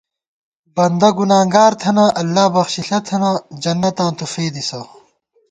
بندہ گُنانگار تھنہ اللہ بخچِݪہ تھنہ جنتاں تُو فېدِسہ